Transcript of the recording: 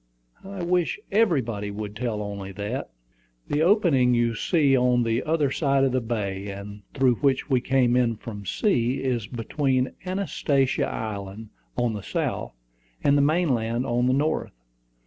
"I wish everybody would tell only that." "The opening you see on the other side of the bay, and through which we came in from sea, is between Anastasia Island on the south, and the main land on the north.